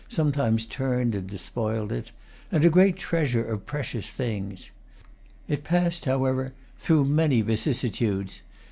sometimes turned and despoiled it) and a great treasure of precious things. It passed, however, through many vicissitudes.